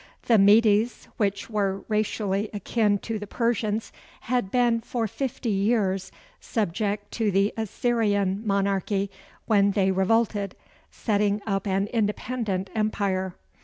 The Medes, which were racially akin to the Persians, had been for fifty years subject to the Assyrian monarchy when they revolted, setting up an independent empire.